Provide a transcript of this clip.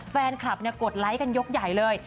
แฟนคลับกดไลค์กันยกใหญ่เลย